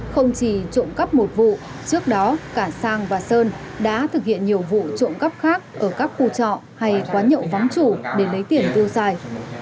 không chỉ trộm cắp một vụ trước đó cả sang và sơn đã thực hiện nhiều vụ trộm cắp khác ở các khu trọ hay quán nhậu vắng chủ để lấy tiền tiêu xài